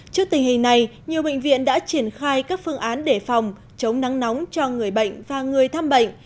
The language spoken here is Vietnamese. trước tình hình này nhiều bệnh viện đã triển khai các phương án để phòng chống nắng nóng cho người bệnh và người thăm bệnh